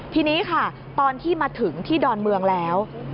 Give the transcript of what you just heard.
ทีนี้ค่ะตอนที่มาถึงที่ดอนเมืองแล้ว